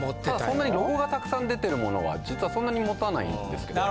そんなにロゴがたくさん出てるものは実はそんなに持たないんですけど。